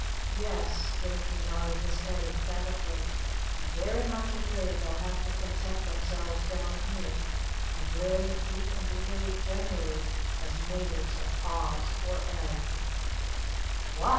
Yes," Jinnicky nodded his head emphatically, "I'm very much afraid they'll have to content themselves down here and live, eat and behave generally as natives of Oz or Ev." "WHAT?"